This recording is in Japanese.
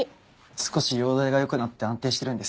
少し容体が良くなって安定してるんです。